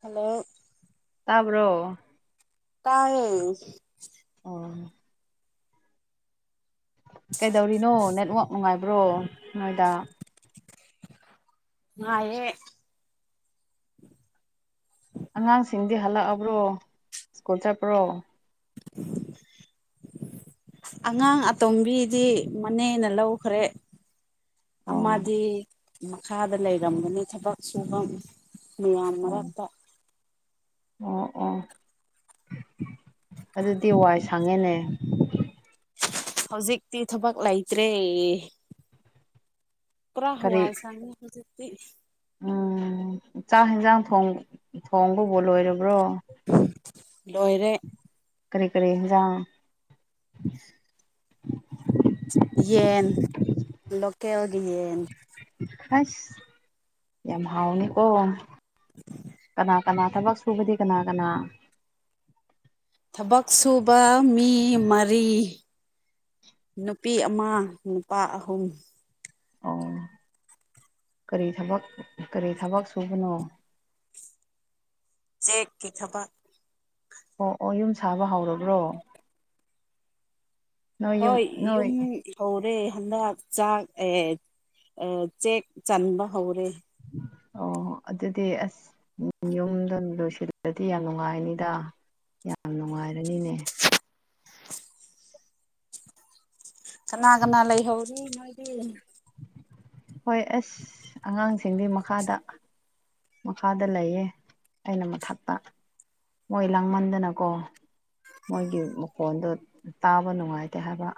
hello bro ꯇꯥꯏꯌꯦ ꯑꯣ ꯀꯩꯗꯧꯔꯤꯅꯣ ꯅꯦꯠꯋꯥꯛ ꯅꯨꯡꯉꯥꯏꯕ꯭ꯔꯣ ꯅꯣꯏꯗ ꯉꯑꯦ ꯑꯉꯥꯡꯁꯤꯡꯗꯤ ꯍꯜꯂꯛꯑꯕ꯭ꯔꯣ ꯁ꯭ꯀꯨꯜ ꯆꯠꯄ꯭ꯔꯣ [inaudible] ꯑꯉꯥꯡ ꯑꯇꯣꯝꯕꯤꯗꯤ ꯃꯅꯦꯅ ꯂꯧꯈ꯭ꯔꯦ ꯑꯣ ꯑꯗꯤ ꯃꯈꯥꯗ ꯂꯩꯔꯝꯒꯅꯤ ꯊꯕꯛ ꯁꯨꯐꯝ ꯃꯌꯥꯝ ꯑꯣ ꯃꯔꯛꯇ ꯑꯣ ꯑꯣ ꯑꯗꯨꯗꯤ ꯋꯥꯏ ꯁꯥꯡꯉꯦꯅꯦ ꯍꯧꯖꯤꯛꯇꯤ ꯊꯕꯛ ꯂꯩꯇ꯭ꯔꯦ ꯄꯨꯥ ꯀꯔꯤ ꯍꯣꯋꯥꯜ ꯁ ꯍꯧꯖꯤ ꯎꯝ ꯆꯥꯛ ꯌꯦꯟꯁꯥꯡ ꯊꯣꯡ ꯊꯣꯡꯕꯕꯨ ꯂꯣꯏꯔꯕ꯭ꯔꯣ ꯂꯣꯏꯔ ꯀꯔꯤ ꯀꯔꯤꯖꯥꯡ ꯌꯦꯟ ꯂꯣꯀꯦꯜ ꯌꯦꯟ ꯑꯁ ꯌꯥꯝ ꯍꯥꯎꯅꯤꯀꯣ ꯀꯅꯥ ꯀꯅꯥ ꯊꯕꯛ ꯁꯨꯕꯗꯤ ꯀꯅꯥ ꯀꯅꯥ ꯊꯕꯛ ꯁꯨꯕ ꯃꯤ ꯃꯔꯤ ꯅꯨꯄꯤ ꯑꯃ ꯅꯨꯄꯥ ꯑꯍꯨꯝ ꯑ ꯀꯔꯤ ꯊꯕꯛ ꯀꯔꯤ ꯊꯕꯛ ꯁꯨꯕꯅꯣ ꯆꯦꯛꯀꯤ ꯊꯄ ꯑꯣ ꯑꯣ ꯌꯨꯝ ꯁꯥꯕ ꯍꯧꯔꯕ꯭ꯔꯣ ꯅꯣꯏ ꯌꯨꯝ ꯍꯣꯏ ꯅꯣꯏ ꯌꯝ ꯍꯧꯔꯦ ꯍꯟꯗꯛ ꯆꯥꯛ ꯆꯦꯛ ꯆꯟꯕ ꯍꯧꯔꯦ ꯑꯣ ꯑꯗꯨꯗꯤ ꯑꯁ ꯌꯨꯝꯗ ꯂꯣꯏꯁꯤꯜꯂꯗꯤ ꯌꯥꯝ ꯅꯨꯡꯉꯥꯏꯅꯤꯗ ꯌꯥꯝ ꯅꯨꯡꯉꯥꯏꯔꯅꯤꯅꯦ ꯀꯅꯥ ꯀꯅꯥ ꯂꯩꯍꯧꯔꯤ ꯃ ꯍꯣꯏ ꯑꯁ ꯑꯉꯥꯡꯁꯤꯡꯗꯤ ꯃꯈꯥꯗ ꯃꯈꯥꯗ ꯂꯩꯌꯦ ꯑꯩꯅ ꯃꯊꯛꯇ ꯃꯣꯏ ꯂꯥꯡꯃꯟꯗꯅꯀꯣ ꯃꯣꯏꯒꯤ ꯃꯈꯣꯟꯗꯣ ꯇꯥꯕ ꯅꯨꯡꯉꯥꯏꯇꯦ ꯍꯥꯏꯕ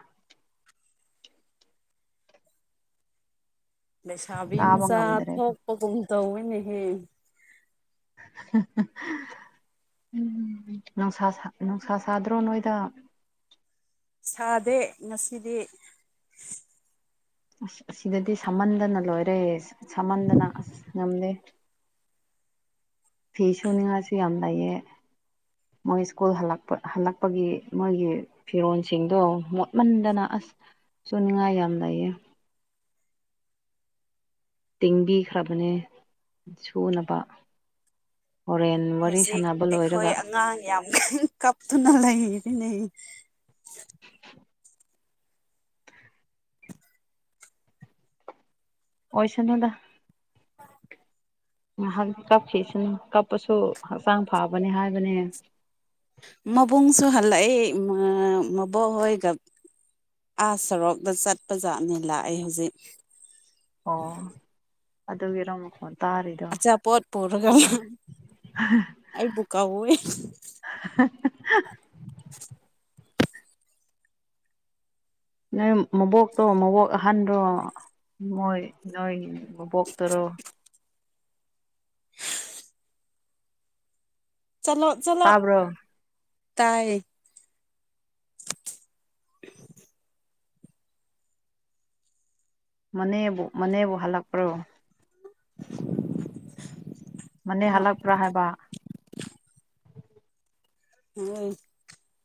ꯂꯩꯁꯥꯕꯤ ꯇꯥꯕ ꯃꯆꯥ ꯉꯝꯗ꯭ꯔꯦ ꯊꯣꯛꯄꯒꯨꯝ ꯇꯧꯋꯅꯦꯍꯦ [unintelligible] ꯎꯝ ꯅꯨꯡꯁꯥ ꯅꯨꯡꯁꯥ ꯁꯥꯗ꯭ꯔꯣ ꯅꯣꯏꯗ ꯁꯥꯗꯦ ꯉꯁꯤꯗꯤ ꯑꯁ ꯑꯁꯤꯗꯗꯤ ꯁꯝꯃꯟꯗꯅ ꯂꯣꯏꯔꯦ ꯁꯝꯃꯟꯗꯅ ꯑꯁ ꯉꯝꯗꯦ [unintelligible] ꯐꯤ ꯁꯨꯅꯤꯡꯉꯥꯁꯨ ꯌꯥꯝ ꯂꯩꯌꯦ ꯃꯣꯏ ꯁ꯭ꯀꯨꯜꯜꯄ ꯍꯜꯂꯛꯄꯒꯤ ꯃꯣꯏꯒꯤ ꯐꯤꯔꯣꯜꯁꯤꯡꯗꯣ ꯃꯣꯠꯃꯟꯗꯅ ꯑꯁ ꯁꯅꯌꯥ ꯌꯥꯝꯗꯏ ꯇꯦꯡꯕꯤꯈ꯭ꯔꯕꯅꯦ ꯁꯨꯅꯕ ꯍꯣꯔꯦꯟ ꯋꯥꯔꯤ ꯍꯧꯖꯤꯛ ꯁꯥꯟꯅꯕ ꯑꯩꯈꯣꯏ ꯂꯣꯏꯔꯒ ꯑꯉꯥꯡ ꯌꯥꯝ ꯀ ꯀꯞꯇꯨꯅ ꯂꯩꯔꯤꯅꯤꯩ ꯑꯣꯏꯣꯏꯁꯅꯗ ꯉꯥꯏꯍꯥꯛ ꯀꯞꯈꯤꯁꯤꯅ ꯀꯞꯄꯁꯨ ꯍꯛꯆꯥꯡ ꯐꯕꯅꯤ ꯍꯥꯏꯕꯅꯦ ꯃꯕꯨꯡꯁꯨꯣ ꯍꯜꯂꯛ ꯃꯕꯣꯛ ꯍꯣꯏ ꯑꯥꯁ ꯁꯔꯣꯛꯇ ꯆꯠꯄ ꯖꯥꯠꯅꯦ ꯂꯥꯛꯑꯦ ꯍꯧꯖꯤꯛ ꯑꯣ ꯑꯗꯨꯒꯤꯔꯣ ꯃꯈꯣꯟ ꯇꯥꯔꯤꯗꯣ ꯑꯆꯥ ꯄꯣꯠ ꯄꯔꯒ ꯑꯩ ꯄꯨꯕꯨꯀꯥꯎꯦ [unintelligible] ꯅꯣꯏ ꯃꯕꯣꯛꯇꯣ ꯃꯕꯣꯛ ꯑꯍꯟ꯭ꯔꯣ ꯃꯣꯏ ꯅꯣꯏꯕꯣꯛꯇꯔꯣ ꯆꯂꯣ ꯆꯂꯣ ꯇꯥꯕ꯭ꯔꯣ ꯇꯥꯏꯌꯦ [unintelligible] ꯃꯅꯦꯕꯨ ꯃꯅꯦꯕꯨ ꯍꯜꯂꯛꯄ꯭ꯔꯣ ꯃꯅꯦ ꯍꯜꯂꯛꯄ꯭ꯔꯥ ꯍꯥꯏꯕ ꯎ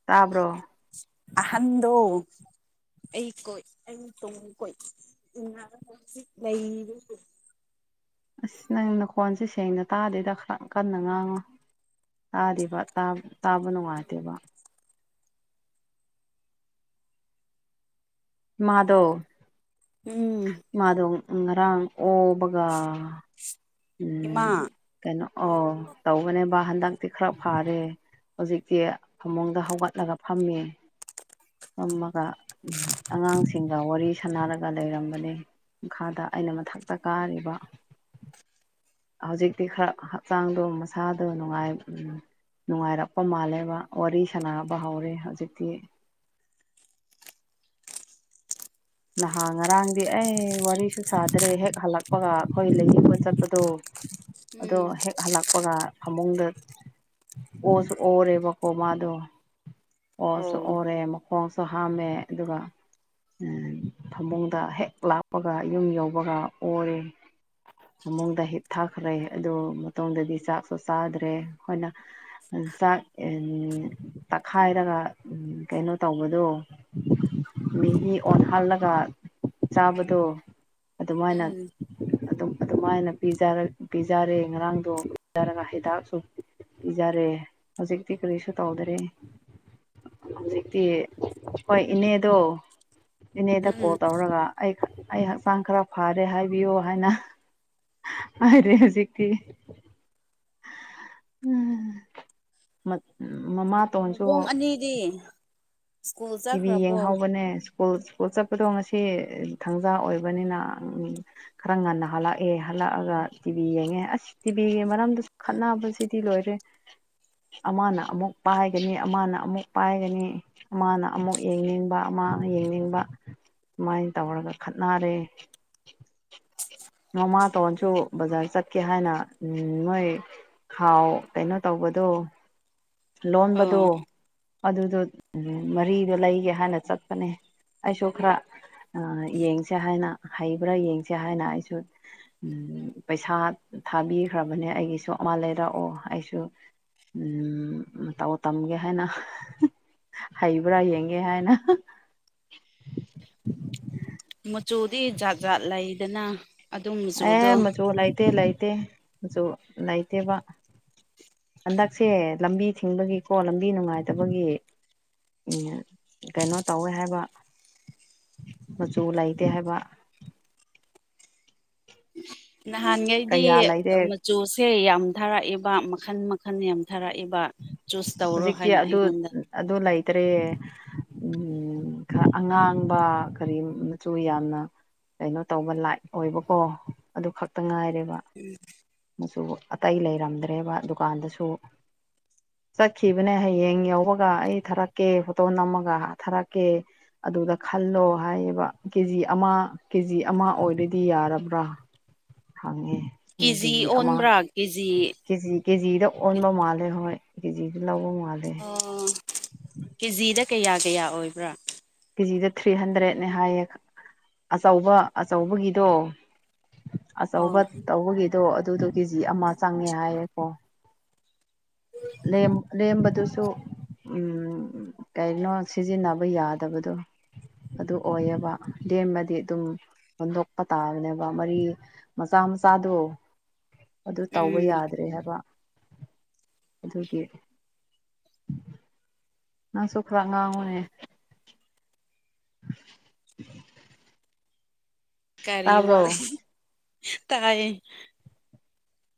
ꯇꯥꯕ꯭ꯔꯣ ꯑꯍꯟꯗꯣ ꯑꯩꯣꯏ ꯑ ꯇꯣꯏ ꯎ ꯂꯩ ꯑꯁ ꯅꯪ ꯅꯈꯣꯟꯁꯦ ꯁꯦꯡꯅ ꯇꯥꯗꯣꯏꯗ ꯀꯟꯅ ꯉꯥꯡꯉꯨ ꯇꯥꯗꯕ ꯇꯥꯕ ꯅꯨꯡꯉꯥꯏꯇꯦꯕ ꯃꯥꯙꯧ ꯎꯝ ꯎꯝ ꯔꯥꯡ ꯑꯣꯕꯒꯥ ꯏꯃꯥ ꯎꯝ ꯀꯩꯅꯣ ꯑꯣ ꯇꯧꯕꯅꯦꯕ ꯍꯟꯗꯛꯇꯤ ꯈꯔ ꯐꯥꯔꯦ ꯍꯧꯖꯤꯛꯇꯤ ꯐꯃꯨꯡꯗ ꯍꯧꯒꯠꯂꯒ ꯐꯝꯃꯤ ꯐꯝꯃꯒ ꯑꯉꯥꯡꯁꯤꯡꯒ ꯋꯥꯔꯤ ꯁꯥꯟꯅꯔꯒ ꯂꯩꯔꯝꯕꯅꯦ ꯃꯈꯥꯗ ꯑꯩꯅ ꯃꯊꯛꯇ ꯀꯥꯔꯤꯕ ꯍꯧꯖꯤꯛꯇꯤ ꯈꯔ ꯍꯛꯆꯥꯡꯗꯣ ꯃꯁꯥꯗꯣ ꯅꯨꯡꯉꯥꯏ ꯅꯨꯡꯉꯥꯏꯔꯛꯄ ꯃꯥꯜꯂꯦꯕ ꯋꯥꯔꯤ ꯁꯥꯟꯅꯕ ꯍꯧꯔꯦ ꯍꯧꯖꯤꯛꯇꯤ ꯅꯍꯥꯟ ꯉꯔꯥꯡꯗꯤ ꯑꯩ ꯋꯥꯔꯤꯁꯨ ꯁꯥꯗ꯭ꯔꯦ ꯍꯦꯛ ꯍꯜꯂꯛꯄꯒ ꯑꯩꯈꯣꯏ ꯂꯌꯦꯡꯕ ꯆꯠꯄꯗꯣ ꯑꯗꯣ ꯎꯝ ꯍꯦꯛ ꯍꯜꯂꯛꯄꯒ ꯐꯃꯨꯡꯗ ꯑꯣꯁꯨ ꯑꯣꯔꯦꯕꯀꯣ ꯃꯥꯥꯗꯣ ꯑꯣꯁꯨ ꯑꯣ ꯑꯣꯔꯦ ꯃꯈꯣꯡꯁꯨ ꯍꯥꯝꯃꯦ ꯑꯗꯨꯒ ꯎꯝ ꯐꯃꯨꯡꯗ ꯍꯦꯛ ꯂꯥꯛꯄꯒ ꯌꯨꯝ ꯌꯧꯕꯒ ꯑꯣꯔꯦ ꯐꯃꯨꯡꯗ ꯍꯤꯠꯊꯈ꯭ꯔꯦ ꯑꯗꯨ ꯃꯇꯨꯡꯗꯗꯤ ꯆꯥꯛꯁꯨ ꯆꯥꯗ꯭ꯔꯦ ꯑꯩꯈꯣꯏꯅ ꯆꯥꯛ ꯇꯛꯈꯥꯏꯔꯒ ꯀꯩꯅꯣ ꯇꯧꯕꯗꯣ ꯃꯦꯒꯤ ꯑꯣꯟꯍꯜꯂꯒ ꯆꯥꯕꯗꯣ ꯑꯗꯨꯃꯥꯏꯅ ꯎꯝ ꯑꯗꯨꯝ ꯑꯗꯨꯃꯥꯏꯅ ꯄꯤꯖꯔ ꯄꯤꯖꯔꯦ ꯉꯔꯥꯡꯗꯣ ꯄꯤꯖꯔꯒ ꯍꯤꯗꯥꯛꯁꯨ ꯄꯤꯖꯔꯦ ꯍꯧꯖꯤꯛꯇꯤ ꯀꯔꯤꯁꯨ ꯇꯧꯗ꯭ꯔꯦ ꯍꯧꯖꯤꯛꯇꯤ ꯍꯣꯏ ꯏꯅꯦꯗꯣ ꯏꯅꯦꯗ ꯀꯣꯜ ꯎꯝ ꯇꯧꯔꯒ ꯑꯩ ꯑꯩ ꯍꯛꯆꯥꯡ ꯈꯔ ꯐꯔꯦ ꯍꯥꯏꯕꯤꯌꯨ ꯍꯥꯏꯅ ꯍꯥꯢꯔꯦ ꯍꯧꯖꯤꯛꯗꯤ ꯎꯝ ꯃꯠ ꯃꯃꯥ ꯇꯣꯟꯁꯨ ꯅꯕꯨꯡ ꯑꯅꯤꯗꯤ ꯁ꯭ꯀꯨꯜ ꯇꯤꯚꯤ ꯆꯠꯈ꯭ꯔꯕꯣ ꯌꯦꯡꯍꯧꯕꯅꯦ ꯁ꯭ꯀꯨꯜ ꯁꯀꯨꯜ ꯆꯠ ꯈꯨꯗꯣꯡ ꯑꯁꯤ ꯊꯥꯡꯖꯥ ꯑꯣꯏꯕꯅꯤꯅ ꯈꯔ ꯉꯟꯅ ꯍꯜꯂꯛꯑꯦ ꯍꯜꯂꯛꯑꯒ ꯇꯤꯚꯤ ꯌꯦꯡꯉꯦ ꯑꯁ ꯇꯤꯚꯤꯒꯤ ꯃꯔꯝꯗ ꯈꯠꯅꯕꯁꯤꯗꯤ ꯂꯣꯏꯔꯦ ꯑꯃꯅ ꯑꯃꯨꯛ ꯄꯥꯏꯒꯅꯤ ꯑꯃꯅ ꯑꯃꯨꯛ ꯄꯥꯏꯒꯅꯤ ꯑꯃꯅ ꯑꯃꯨꯛ ꯌꯦꯡꯅꯤꯡꯕ ꯑꯃ ꯌꯦꯡꯅꯤꯡꯕ ꯁꯨꯃꯥꯏ ꯇꯧꯔꯒ ꯈꯠꯅꯔꯦ ꯃꯃꯥꯇꯣꯟꯁꯨ ꯕꯖꯥꯔ ꯆꯠꯀꯦ ꯍꯥꯏꯅ ꯃꯣꯏ ꯍꯥꯎ ꯀꯩꯅꯣ ꯇꯧꯕ ꯄꯗꯣ ꯂꯣꯟꯕꯗꯣ ꯑꯣ ꯑꯗꯨꯗꯣ ꯃꯔꯤꯗ ꯂꯩꯒꯦ ꯍꯥꯏꯅ ꯆꯠꯄꯅꯦ ꯑꯩꯁꯨ ꯈꯔ ꯑꯥ ꯌꯦꯡꯁꯦ ꯍꯥꯏꯅ ꯍꯩꯕ꯭ꯔꯥ ꯌꯦꯡꯁꯦ ꯍꯥꯏꯅ ꯑꯩꯁꯨ ꯎ ꯄꯩꯁꯥ ꯊꯥꯕꯤꯈ꯭ꯔꯕꯅꯦ ꯑꯩꯒꯤꯁꯨ ꯑꯃ ꯂꯩꯔꯛꯑꯣ ꯑꯩꯁꯨ ꯎꯝ ꯃꯇꯧ ꯇꯝꯒꯦ ꯍꯥꯏꯅ ꯍꯩꯕ꯭ꯔꯥ ꯌꯦꯡꯒꯦ ꯍꯥꯏꯅ ꯃꯆꯨꯗꯤ ꯖꯥꯠ ꯖꯥꯠ ꯂꯩꯗꯅ ꯑꯗꯨ ꯃꯆꯨꯗꯣ ꯑꯦ ꯃꯆꯨ ꯂꯩꯇꯦ ꯂꯩꯇꯦ ꯃꯆꯨ ꯂꯩꯇꯦꯕ ꯍꯟꯗꯛꯁꯦ ꯂꯝꯕꯤ ꯊꯤꯡꯕꯒꯤꯀꯣ ꯂꯝꯕꯤ ꯅꯨꯡꯉꯥꯏꯇꯕꯒꯤ ꯃꯤꯅ ꯀꯩꯅꯣ ꯇꯧꯋꯦ ꯍꯥꯏꯕ ꯃꯆꯨ ꯂꯩꯇꯦ ꯍꯥꯏꯕ ꯅꯍꯥꯟꯉꯩꯗꯤ ꯀꯌꯥ ꯂꯩꯇꯦ ꯃꯆꯨꯁꯦ ꯌꯥꯝ ꯊꯥꯔꯛꯏꯕ ꯃꯈꯟ ꯃꯈꯟ ꯌꯥꯝ ꯊꯥꯔꯛꯏꯕ ꯆꯨꯁ ꯇꯧꯔꯣ ꯍꯥꯏꯅ ꯑꯩꯉꯣꯟꯗ ꯇ꯭ꯔꯦ ꯎꯝ ꯈꯔ ꯑꯉꯥꯡꯕ ꯀꯔꯤ ꯃꯆꯨ ꯌꯥꯝꯅ ꯀꯩꯅꯣ ꯇꯧꯕ ꯂꯥꯏꯠ ꯑꯣꯏꯕꯀꯣ ꯑꯗꯨ ꯈꯛꯇꯪ ꯉꯥꯏꯔꯦ ꯕ ꯃꯆꯨ ꯑꯇꯩ ꯂꯩꯔꯝꯗ꯭ꯔꯦꯕ ꯗꯨꯀꯥꯟꯗꯁꯨ ꯆꯠꯈꯤꯕꯅꯦ ꯍꯌꯦꯡ ꯌꯧꯕꯒ ꯑꯩ ꯊꯥꯔꯛꯀꯦ ꯐꯣꯇꯣ ꯅꯝꯃꯒ ꯊꯥꯔꯛꯀꯦ ꯑꯗꯨꯗ ꯈꯜꯂꯣ ꯍꯥꯏꯌꯦꯕ ꯀꯦ ꯖꯤ ꯑꯃ ꯀꯦ ꯖꯤ ꯑꯃ ꯑꯣꯏꯔꯗꯤ ꯌꯥꯔꯕ꯭ꯔꯥ ꯐꯪꯉꯦ ꯅ ꯀꯦ ꯀꯦꯖꯤ ꯖꯤ ꯑꯃ ꯑꯣꯟꯕ꯭ꯔꯥ ꯀꯦꯖꯤ ꯀꯦ ꯖꯤ ꯀꯦ ꯖꯤ ꯗ ꯑꯣꯟꯕ ꯃꯥꯜꯂꯦ ꯍꯣꯏ ꯀꯦ ꯖꯤ ꯗ ꯂꯧꯕ ꯃꯥꯜꯂꯦ ꯀꯦ ꯖꯤ ꯗ ꯀꯌꯥ ꯀꯌꯥ ꯑꯣꯏꯕ꯭ꯔꯥ ꯀꯦ ꯖꯤ ꯗ ꯊ꯭ꯔꯤ ꯍꯟꯗ꯭ꯔꯦꯠꯅꯦ ꯍꯥꯏꯌꯦ ꯑꯆꯧꯕ ꯑꯆꯧꯕꯒꯤꯗꯣ ꯑꯆꯧꯕ ꯑꯣ ꯇꯧꯕꯒꯤꯗꯣ ꯑꯗꯨꯗꯣ ꯀꯦ ꯖꯤ ꯑꯃ ꯆꯪꯉꯦ ꯍꯥꯏꯌꯦꯀꯣ ꯂꯦꯝ ꯂꯦꯝꯕꯗꯨꯁꯨ ꯎꯝ ꯀꯩꯅꯣ ꯁꯤꯖꯤꯟꯅꯕ ꯌꯥꯗꯕꯗꯣ ꯑꯗꯨ ꯑꯣꯏꯌꯦꯕ ꯂꯦꯝꯃꯗꯤ ꯑꯗꯨꯝ ꯍꯨꯟꯗꯣꯛꯄ ꯇꯥꯕꯅꯦꯕ ꯃꯔꯤ ꯃꯆꯥ ꯃꯆꯥꯗꯣ ꯑꯗꯨ ꯇꯧꯕ ꯎꯝ ꯌꯥꯗ꯭ꯔꯦ ꯍꯥꯏꯕ ꯑꯗꯨꯒꯤ ꯅꯪꯁꯨ ꯈꯔꯥ ꯉꯥꯡꯑꯣꯅꯦ [inaudible] ꯀꯔꯤ ꯇꯥꯕ꯭ꯔꯣ ꯋꯥꯔꯤ ꯇꯥꯏꯌꯦ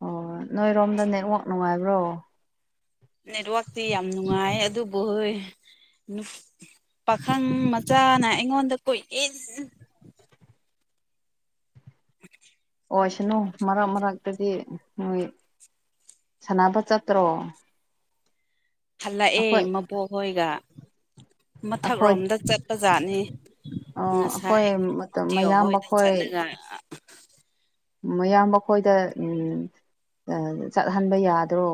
ꯑꯣ ꯅꯣꯏꯔꯣꯝꯗ ꯅꯦꯠꯋꯥꯛ ꯅꯨꯡꯉꯥꯏꯕ꯭ꯔꯣ ꯅꯦꯠꯋꯔꯇꯤ ꯌꯥꯝ ꯅꯨꯡꯉꯥꯏ ꯑꯗꯨꯕꯨ ꯍꯣꯏ ꯄꯥꯈꯪ ꯃꯆꯥꯅ ꯑꯩꯉꯣꯟꯗ ꯀꯣꯏ ꯏꯟ [inaudible] [inaudible] ꯑꯣꯏ ꯁꯅꯨ ꯃꯔꯛ ꯃꯔꯛꯇꯗꯤ ꯅꯣꯏ ꯁꯥꯟꯅꯕ ꯆꯠꯇ꯭ꯔꯣ ꯍꯜꯂꯛꯑꯦ ꯑꯩꯈꯣꯏ ꯃꯕꯣꯛꯍꯣꯏꯒ ꯑꯩꯈꯣꯏ ꯃꯊꯛꯔꯣꯝꯗ ꯆꯠꯄꯖꯥꯠꯅꯤ ꯑꯩꯈꯣꯏ ꯉꯁꯥꯏ ꯃꯇꯤꯑꯣ ꯃꯌꯥꯝꯕ ꯍꯣꯏꯗ ꯆꯠꯂꯒ ꯃꯌꯥꯝ ꯃꯈꯣꯏꯗ ꯎꯝ ꯑ ꯆꯠꯍꯟꯕ ꯌꯥꯗ꯭ꯔꯣ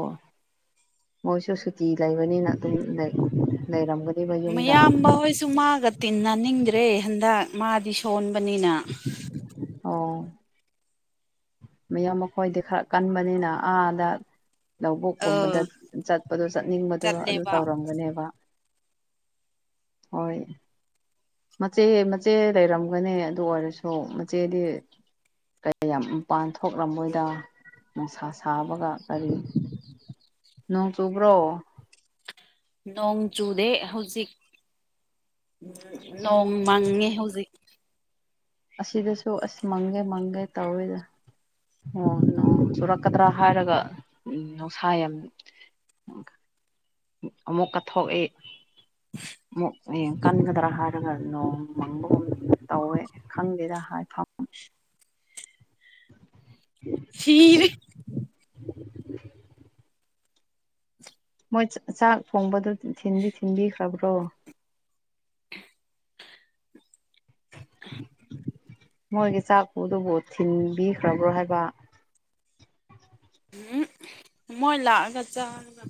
ꯃꯣꯏꯁꯨ ꯁꯨꯇꯤ ꯂꯩꯕꯅꯤꯅ ꯑꯗꯨꯝ ꯂꯩ ꯂꯩꯔꯝꯒ ꯃꯌꯥꯝꯕ ꯍꯣꯏꯁꯨ ꯃꯥꯒ ꯇꯤꯟꯅ ꯅꯤꯡꯗ꯭ꯔꯦ ꯍꯟꯗꯛ ꯃꯥꯗꯤ ꯁꯣꯟꯕ ꯄꯅꯤꯅ ꯑꯣ ꯃꯌꯥꯝ ꯃꯈꯣꯏꯗꯤ ꯈꯔ ꯀꯟꯕꯅꯤꯅ ꯑꯥꯗ ꯑ ꯂꯧꯕꯨꯛꯀꯨꯝꯕꯗ ꯆꯠꯄꯗꯣ ꯆꯠꯅꯤꯡꯕꯗꯣ ꯑꯗꯨ ꯆꯠꯂꯦꯕ ꯇꯧꯔꯝꯒꯅꯦꯕ ꯍꯣꯏ ꯃꯆꯦ ꯃꯆꯦ ꯂꯩꯔꯝꯒꯅꯤ ꯑꯗꯨ ꯑꯣꯏꯔꯁꯨ ꯃꯆꯦꯗꯤ ꯀꯌꯥꯝ ꯃꯄꯥꯟ ꯊꯣꯛꯂꯝꯃꯣꯏꯗ ꯅꯨꯡꯁꯥ ꯁꯥꯕꯒ ꯀꯔꯤ ꯅꯣꯡ ꯆꯨꯕ꯭ꯔꯣ ꯅꯣꯡ ꯆꯨꯗꯦ ꯍꯧꯖꯤꯛ ꯅꯣꯡ ꯃꯪꯉꯦ ꯍꯧꯖꯤꯛ ꯑꯁꯤꯗ ꯁꯨ ꯑꯁ ꯃꯪꯒꯦ ꯃꯪꯒꯦ ꯇꯧꯋꯦꯗ ꯑꯣ ꯅꯣꯡ ꯆꯨꯔꯛꯀꯗ꯭ꯔꯥ ꯍꯥꯏꯔꯒ ꯎꯝ ꯅꯨꯡꯁꯥ ꯌꯥꯝ ꯑꯃꯨꯛꯀ ꯊꯣꯛꯏ ꯑꯃꯨꯛ ꯍꯌꯦꯡ ꯀꯟꯒꯗ꯭ꯔꯥ ꯍꯥꯏꯔꯒ ꯅꯣꯡ ꯃꯪꯕꯒꯨꯝ ꯇꯧꯋꯦ ꯈꯪꯗꯦꯗ ꯍꯥꯏꯐꯝ [inaudible] ꯁꯤꯔꯦ [inaudible] ꯃꯣꯏ ꯆꯥꯛ ꯊꯣꯡꯕꯗꯨ ꯊꯤꯟꯗꯤ ꯊꯤꯟꯕꯤꯈ꯭ꯔꯕ꯭ꯔꯣ ꯃꯣꯏꯒꯤ ꯆꯥꯛꯄꯨꯗꯨꯕꯨ ꯊꯤꯟꯕꯤꯈ꯭ꯔꯕ꯭ꯔꯣ ꯍꯥꯏꯕ [inaudible] ꯎꯝ ꯃꯣꯏ ꯂꯥꯛꯑꯒ ꯆꯥꯔꯒ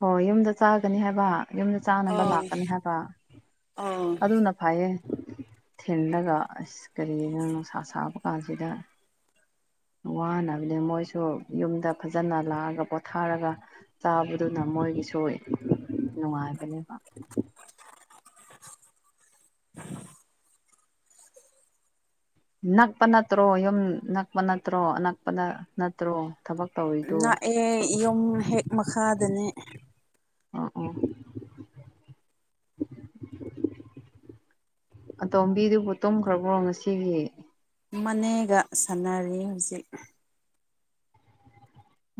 ꯍꯣ ꯌꯨꯝꯗ ꯆꯥꯒꯅꯤ ꯍꯥꯏꯕ ꯌꯨꯝꯗ ꯆꯥꯅꯕ ꯑꯥꯎ ꯂꯥꯛꯀꯅꯤ ꯍꯥꯏꯕ ꯑꯥꯎ ꯑꯗꯨꯅ ꯐꯩꯌꯦ ꯊꯤꯂꯒ ꯑꯁ ꯀꯔꯤꯒꯤꯅꯣ ꯅꯨꯡꯁꯥ ꯁꯥꯕ ꯀꯥꯟꯁꯤꯗ ꯋꯥꯅꯕꯅꯦ ꯃꯣꯏꯁꯨ ꯌꯨꯝꯗ ꯐꯖꯅ ꯂꯥꯛꯑꯒ ꯄꯣꯊꯥꯔꯒ ꯆꯥꯕ ꯑꯗꯨꯅ ꯃꯣꯏꯒꯤꯁꯨ ꯅꯨꯡꯉꯥꯏꯕꯅꯦꯕ [inaudible] ꯅꯛꯄ ꯅꯠꯇ꯭ꯔꯣ ꯌꯨꯝ ꯅꯛꯄ ꯅꯠꯇ꯭ꯔꯣꯑꯖꯛꯄꯗ ꯅꯠꯇ꯭ꯔꯣ ꯊꯕꯛ ꯇꯧꯔꯤꯗꯣ ꯅꯛꯑꯦ ꯌꯨꯝ ꯍꯦꯛ ꯃꯈꯥꯗꯅꯦ ꯑ ꯎ ꯑꯇꯣꯝꯕꯤꯗꯨꯕꯨ ꯇꯨꯝꯈ꯭ꯔꯕ꯭ꯔꯣ ꯉꯁꯤꯒꯤ ꯃꯅꯦꯒ ꯁꯥꯟꯅꯔꯤ ꯍꯧꯖꯤꯛ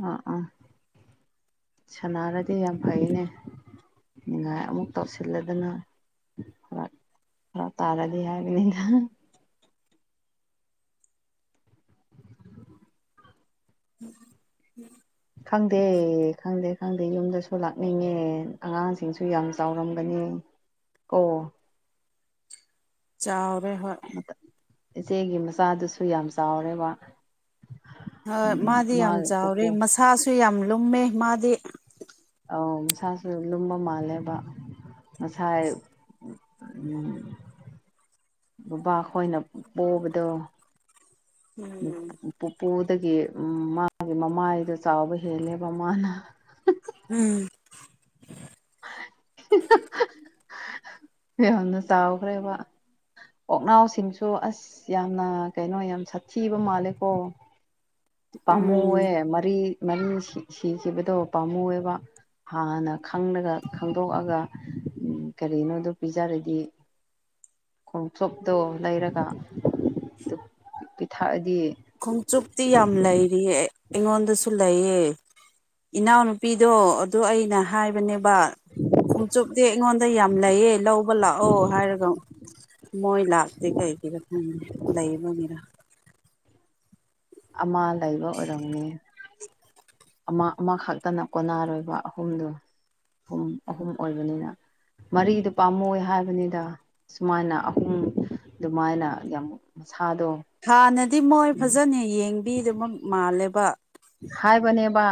ꯑꯣ ꯑꯣ ꯁꯥꯟꯅꯔꯗꯤ ꯌꯥꯝ ꯐꯩꯅꯦ ꯅꯤꯡꯉꯥꯏ ꯑꯃꯨꯛ ꯇꯧꯁꯤꯜꯂꯗꯅ ꯐꯔꯛ ꯇꯥꯔꯗꯤ ꯍꯥꯏꯕꯅꯤꯗ ꯎꯝ ꯎꯝ ꯈꯪꯗꯦ ꯈꯪꯗꯦ ꯈꯪꯗꯦ ꯌꯨꯝꯗꯁꯨ ꯂꯥꯛꯅꯤꯡꯉꯦ ꯑꯉꯥꯡꯁꯤꯡꯁꯨ ꯌꯥꯝ ꯆꯥꯎꯔꯝꯒꯅꯤ ꯑꯣ ꯆꯥꯎꯔꯦ ꯍꯣꯏ ꯏꯆꯦꯒꯤ ꯃꯆꯥꯗꯨꯁꯨ ꯌꯥꯝ ꯆꯥꯎꯔꯦꯕ ꯍꯣꯏ ꯎꯝ ꯃꯥꯗꯤ ꯃꯥ ꯌꯥꯝ ꯆꯥꯎꯔꯦ ꯄꯨꯄꯨ ꯃꯁꯥꯁꯨ ꯌꯥꯝ ꯂꯨꯝꯃꯦ ꯃꯥꯗꯤ ꯑꯧ ꯃꯁꯥꯁꯨ ꯂꯨꯝꯕ ꯃꯥꯜꯂꯦꯕ ꯉꯁꯥꯏ ꯎꯝ ꯕꯕꯥ ꯈꯣꯏꯅ ꯄꯣꯕꯗꯣ ꯎꯝ ꯄꯨꯄꯨꯗꯒꯤ ꯃꯥꯒꯤ ꯃꯃꯥꯏꯗꯣ ꯆꯥꯎꯕ ꯍꯦꯜꯂꯦꯕ ꯃꯥꯅ ꯎꯝ ꯌꯥꯝꯅ ꯆꯥꯎꯈ꯭ꯔꯦꯕ ꯑꯣꯛꯅꯥꯎꯁꯤꯡꯁꯨ ꯑꯁ ꯌꯥꯝꯅ ꯀꯩꯅꯣ ꯌꯥꯝ ꯁꯥꯊꯤꯕ ꯃꯥꯜꯂꯦꯀꯣ ꯎꯝ ꯄꯥꯝꯃꯨꯑ ꯃꯔꯤ ꯃꯔꯤ ꯁꯤꯈꯤꯕꯗꯣ ꯄꯥꯝꯃꯨꯑꯕ ꯍꯥꯟꯅ ꯈꯪꯂꯒ ꯈꯪꯗꯣꯛꯑꯒ ꯀꯔꯤꯅꯣꯗꯨ ꯄꯤꯖꯔꯗꯤ ꯈꯣꯡꯆꯣꯞꯇꯣ ꯂꯩꯔꯒ ꯄꯤꯊꯛꯑꯗꯤ ꯈꯣꯝꯆꯨꯞꯇꯤ ꯌꯥꯝ ꯂꯩꯔꯤꯌꯦ ꯑꯩꯉꯣꯟꯗꯁꯨ ꯂꯩꯌꯦ ꯏꯅꯥꯎꯅꯨꯄꯤꯗꯣ ꯑꯗꯨ ꯑꯩꯅ ꯍꯥꯏꯕꯅꯦꯕ ꯕꯥ ꯈꯣꯝꯆꯨꯞꯗꯤ ꯑꯩꯉꯣꯟꯗ ꯌꯥꯝ ꯂꯩꯌꯦ ꯂꯧꯕ ꯂꯥꯛꯑꯣ ꯍꯥꯏꯔꯒ ꯃꯣꯏ ꯂꯥꯛꯇꯦ ꯀꯩꯒꯤꯅꯣ ꯈꯪꯗꯦ ꯂꯩꯕꯒꯤꯔꯥ ꯑꯃ ꯂꯩꯕ ꯑꯣꯏꯔꯝꯅꯤ ꯑꯃ ꯑꯃ ꯈꯛꯇꯅ ꯀꯣꯟꯅꯔꯣꯏꯕ ꯑꯍꯨꯝꯗꯣ ꯑꯍꯨꯝ ꯑꯍꯨꯝ ꯑꯣꯏꯕꯅꯤꯅ ꯃꯔꯤꯗꯨ ꯄꯥꯝꯃꯣꯏ ꯍꯥꯏꯕꯅꯤꯗ ꯁꯨꯃꯥꯏꯅ ꯑꯍꯨꯝ ꯑꯗꯨꯃꯥꯏꯅ ꯌꯥꯝꯁ ꯍꯥꯟꯅꯗꯤ ꯃꯣꯏ ꯐꯖꯅ ꯌꯦꯡꯕꯤꯗꯨꯕ ꯃꯥꯜꯂꯦꯕ ꯍꯥꯏꯕꯅꯦꯕ